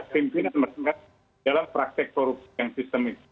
pimpinan dan meresmikan dalam praktek korupsi yang sistemis